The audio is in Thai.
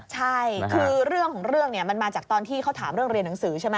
ใช่คือเรื่องของเรื่องเนี่ยมันมาจากตอนที่เขาถามเรื่องเรียนหนังสือใช่ไหม